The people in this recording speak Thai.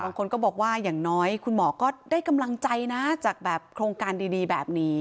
บางคนก็บอกว่าอย่างน้อยคุณหมอก็ได้กำลังใจนะจากแบบโครงการดีแบบนี้